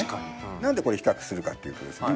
なんでこれ比較するかっていうとですね